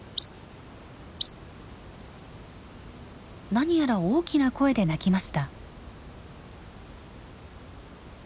何やら大きな声で鳴きました。